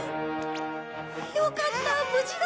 よかった無事だった！